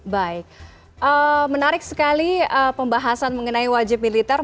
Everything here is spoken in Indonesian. baik menarik sekali pembahasan mengenai wajib militer